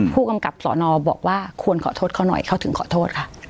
ผู้กำกับสอนอบอกว่าควรขอโทษเขาหน่อยเขาถึงขอโทษค่ะ